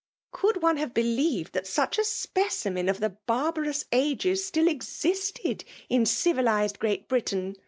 " Could one have believed that such a spe cimen of the barbarous ages still existed in civilized Great Britain!"